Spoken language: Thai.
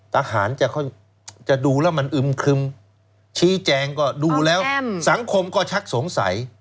ทหารจะดูแล้วมันอึมครึมชี้แจงก็ดูแล้วสังคมก็ชักสงสัย